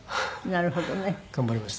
なるほどね。